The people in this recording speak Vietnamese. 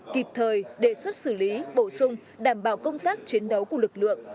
kịp thời đề xuất xử lý bổ sung đảm bảo công tác chiến đấu của lực lượng